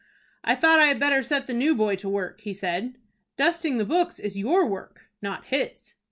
"I thought I had better set the new boy to work," he said. "Dusting the books is your work, not his."